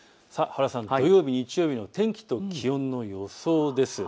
原さん、土曜日、日曜日の天気と気温の予想です。